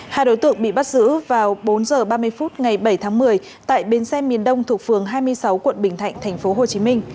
hai đối tượng bị bắt giữ vào bốn h ba mươi phút ngày bảy tháng một mươi tại bến xe miền đông thuộc phường hai mươi sáu quận bình thạnh tp hcm